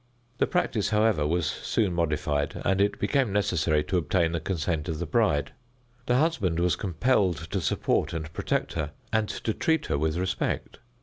The practice, however, was soon modified, and it became necessary to obtain the consent of the bride. The husband was compelled to support and protect her, and to treat her with respect.